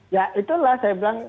ya itulah saya bilang